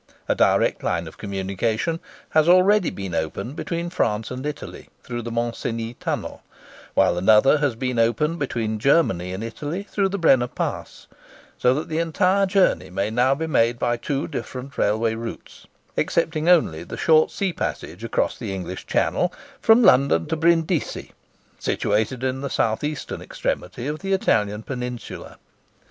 A direct line of communication has already been opened between France and Italy, through the Mont Cenis Tunnel; while another has been opened between Germany and Italy through the Brenner Pass,—so that the entire journey may now be made by two different railway routes (excepting only the short sea passage across the English Channel) from London to Brindisi, situated in the south eastern extremity of the Italian peninsula.